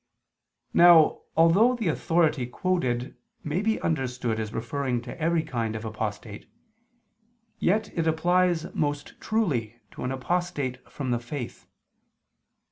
Now although the authority quoted may be understood as referring to every kind of apostate, yet it applies most truly to an apostate from the faith.